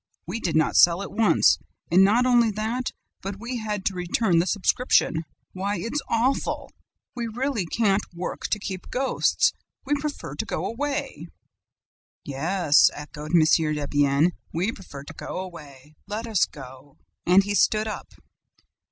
We did not sell it once; and not only that, but we had to return the subscription: why, it's awful! We really can't work to keep ghosts! We prefer to go away!' "'Yes,' echoed M. Debienne, 'we prefer to go away. Let us go.'" "And he stood up.